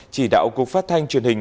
chỉ đạo cục phát thanh truyền hình